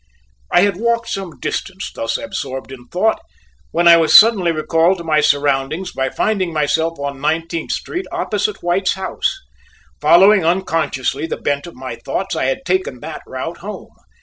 I had walked some distance thus absorbed in thought when I was suddenly recalled to my surroundings by finding myself on Nineteenth Street opposite White's house following unconsciously the bent of my thoughts, I had taken that route home.